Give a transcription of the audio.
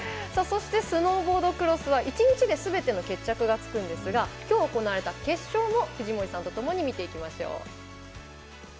そして、スノーボードクロスは１日ですべての決着がつくんですがきょう行われた決勝を藤森さんとともに見ていきましょう。